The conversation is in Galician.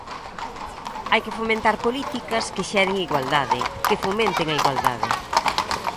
Hai que fomentar políticas que xeren igualdade, que fomenten a igualdade.